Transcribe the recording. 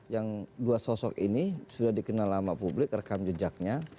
yang dua sosok ini sudah dikenal lama publik rekam jejaknya